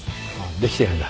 できてるんだ。